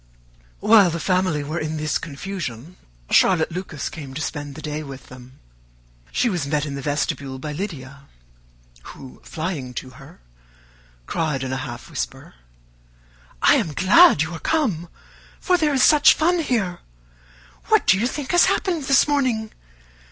While the family were in this confusion, Charlotte Lucas came to spend the day with them. She was met in the vestibule by Lydia, who, flying to her, cried in a half whisper, "I am glad you are come, for there is such fun here! What do you think has happened this morning?